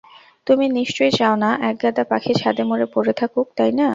তুমি নিশ্চয়ই চাও না একগাদা পাখি ছাদে মরে পড়ে থাকুক, তাই না?